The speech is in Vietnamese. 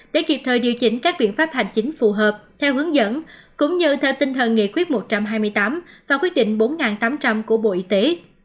để kịp thời điều chỉnh các biện pháp hành chính phù hợp theo hướng dẫn cũng như theo tinh thần nghị quyết một trăm hai mươi tám và quyết định bốn tám trăm linh của bộ y tế